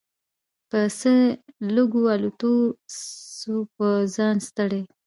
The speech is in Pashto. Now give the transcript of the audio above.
په څه لږو الوتو سو په ځان ستړی